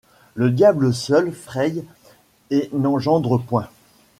Le diable seul fraye et n’engendre point.